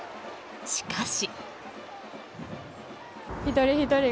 しかし。